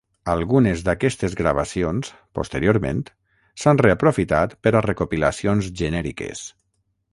Algunes d'aquestes gravacions, posteriorment, s'han reaprofitat per a recopilacions genèriques.